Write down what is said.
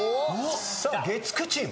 月９チーム。